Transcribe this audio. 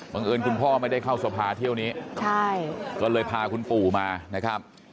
เอิญคุณพ่อไม่ได้เข้าสภาเที่ยวนี้ใช่ก็เลยพาคุณปู่มานะครับ